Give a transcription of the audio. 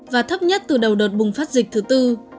và thấp nhất từ đầu đợt bùng phát dịch thứ tư